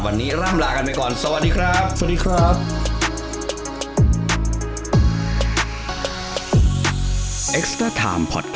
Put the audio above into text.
วันนี้ลำลากันไปก่อนสวัสดีครับ